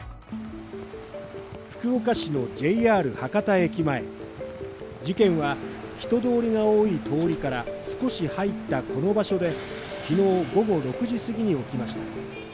福岡市のＪＲ博多駅前、事件は人通りが多い通りから少し入ったこの場所で昨日午後６時すぎに起きました。